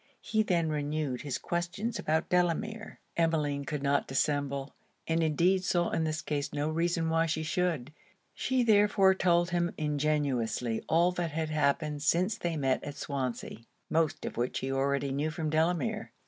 He then renewed his questions about Delamere. Emmeline could not dissemble; and indeed saw in this case no reason why she should. She therefore told him ingenuously all that had happened since they met at Swansea; most of which he already knew from Delamere.